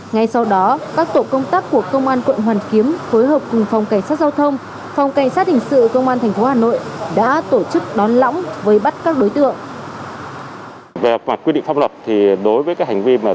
ngay sau đó các tổ công tác của công an quận hoàn kiếm phối hợp cùng phòng cảnh sát giao thông